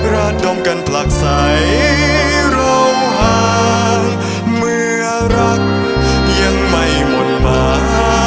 อดดมกันผลักใสเราห่างเมื่อรักยังไม่หมดหมา